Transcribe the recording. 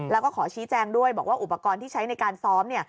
แล้วก็ขอชี้แจงด้วยบอกว่าอุปกรณ์ที่ใช้ในการซ้อม